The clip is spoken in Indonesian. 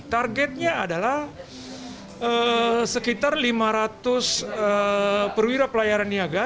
targetnya adalah sekitar lima ratus perwira pelayaran niaga